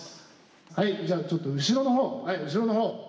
はいじゃあちょっと後ろの方はい後ろの方。